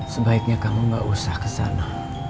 sebaiknya kamu gak usah kesana